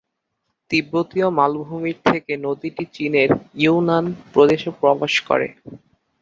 তিব্বতীয় মালভূমির থেকে নদীটি চীনের ইউনান প্রদেশে প্রবেশ করে।